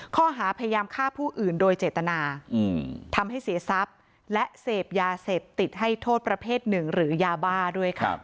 ข้อหาพยายามฆ่าผู้อื่นโดยเจตนาทำให้เสียทรัพย์และเสพยาเสพติดให้โทษประเภทหนึ่งหรือยาบ้าด้วยค่ะ